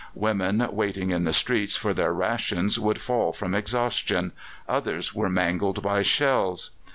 Women waiting in the streets for their rations would fall from exhaustion; others were mangled by shells.